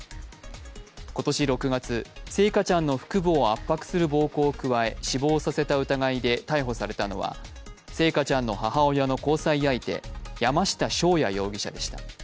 今年６月、星華ちゃんの腹部を圧迫する暴行を加え、死亡させた疑いで逮捕されたのは星華ちゃんの母親の交際相手、山下翔也容疑者でした。